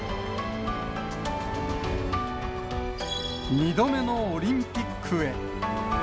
２度目のオリンピックへ。